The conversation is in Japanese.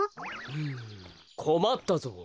うんこまったぞう。